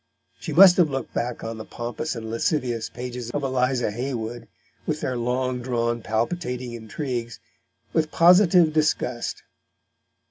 She must have looked back on the pompous and lascivious pages of Eliza Haywood, with their long drawn palpitating intrigues, with positive disgust.